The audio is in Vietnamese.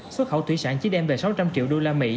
xuất khẩu thủy sản chỉ đem về sáu trăm linh triệu usd